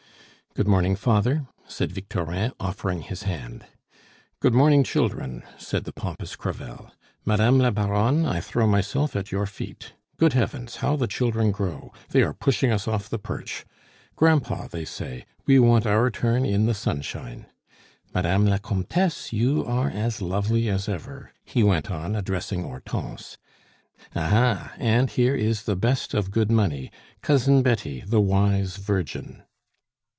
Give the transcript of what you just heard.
"Good morning, father," said Victorin, offering his hand. "Good morning, children," said the pompous Crevel. "Madame la Baronne, I throw myself at your feet! Good Heavens, how the children grow! they are pushing us off the perch 'Grand pa,' they say, 'we want our turn in the sunshine.' Madame la Comtesse, you are as lovely as ever," he went on, addressing Hortense. "Ah, ha! and here is the best of good money: Cousin Betty, the Wise Virgin."